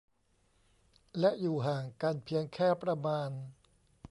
และอยู่ห่างกันเพียงแค่ประมาณ